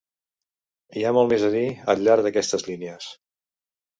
Hi ha molt més a dir al llarg d'aquestes línies.